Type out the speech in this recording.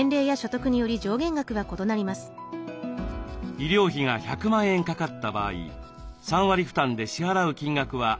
医療費が１００万円かかった場合３割負担で支払う金額は３０万円。